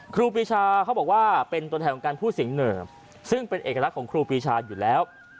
ครูปีชาเขาบอกว่าเป็นตัวแทนของการพูดเสียงเหนิซึ่งเป็นเอกลักษณ์ของครูปีชาอยู่แล้ว